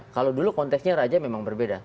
kalau dulu konteksnya raja memang berbeda